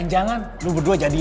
jangan dua lo berdua jadian ya